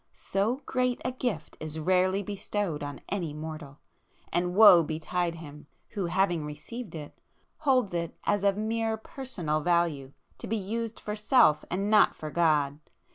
So great a gift is rarely bestowed on any mortal,—and woe betide him, who having received it, holds it as of mere personal value, to be used for [p 463] Self and not for God!